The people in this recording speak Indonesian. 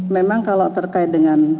memang kalau terkait dengan